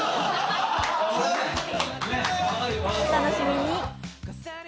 お楽しみに。